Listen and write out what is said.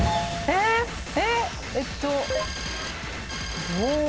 えっと。